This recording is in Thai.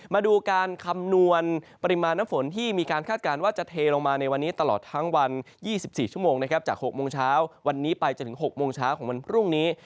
มาดูการคำนวณปริมาณน้ำฝนที่มีการคาดการณ์ว่าจะเทลงมาในวันนี้ตลอดทั้งวัน๒๔ชั่วโมงนะครับจาก๖โมงเช้าวันนี้ไปจนถึง๖โมงเช้าของวันพรุ่งนี้